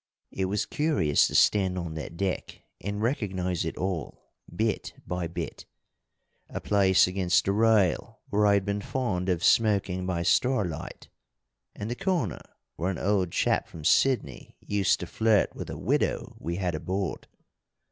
It was curious to stand on that deck and recognise it all, bit by bit; a place against the rail where I'd been fond of smoking by starlight, and the corner where an old chap from Sydney used to flirt with a widow we had aboard.